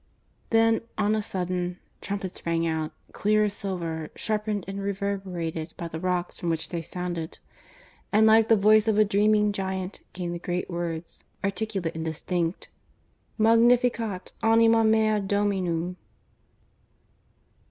Then, on a sudden, trumpets rang out, clear as silver, sharpened and reverberated by the rocks from which they sounded, and like the voice of a dreaming giant, came the great words, articulate and distinct: "Magnificat anima mea Dominum."